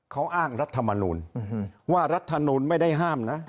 เขาอ้างรัฐมนูลว่ารัฐมนูลไม่ได้ห้ามนะ